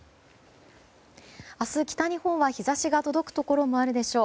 明日、北日本は日差しが届くところもあるでしょう。